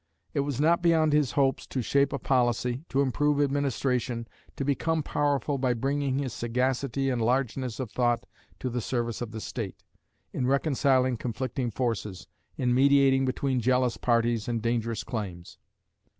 It was not beyond his hopes to shape a policy, to improve administration, to become powerful by bringing his sagacity and largeness of thought to the service of the State, in reconciling conflicting forces, in mediating between jealous parties and dangerous claims.